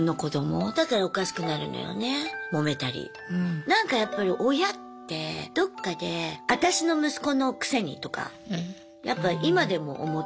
もめたりなんかやっぱり親ってどっかで私の息子のくせにとかやっぱ今でも思う。